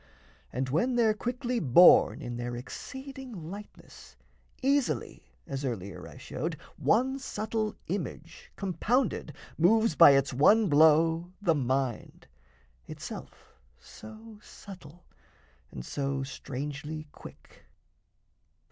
And when they're quickly borne In their exceeding lightness, easily (As earlier I showed) one subtle image, Compounded, moves by its one blow the mind, Itself so subtle and so strangely quick.